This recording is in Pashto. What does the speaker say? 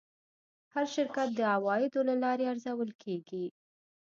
هر شرکت د عوایدو له لارې ارزول کېږي.